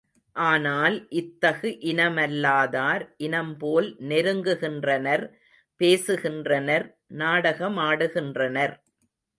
ஆனால் இத்தகு இனமல்லா தார் இனம்போல் நெருங்குகின்றனர் பேசுகின்றனர் நாடக மாடுகின்றனர்.